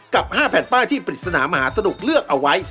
กับ๕แผ่นป้ายที่ปริศนามหาสนุกเลือกเอาไว้